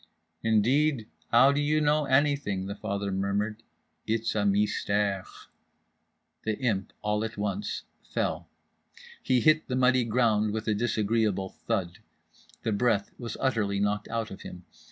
—"Indeed, how do you know anything?" the father murmured quietly. "It's a mystère." The Imp, all at once, fell. He hit the muddy ground with a disagreeable thud. The breath was utterly knocked out of him.